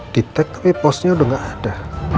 detek tapi postnya udah gak ada